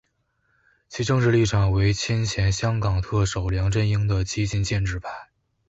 其政治立场为亲前香港特首梁振英的激进建制派。